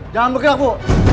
jangan bergerak ibu